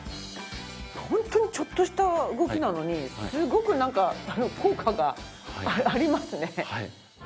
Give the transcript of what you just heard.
本当にちょっとした動きなのにすごく効果がありますね。